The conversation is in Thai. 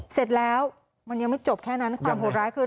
เสร็จแล้วมันยังไม่จบแค่นั้นความโหดร้ายคือ